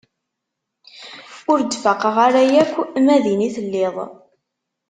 Ur d-faqeɣ ara yakk ma din i telliḍ.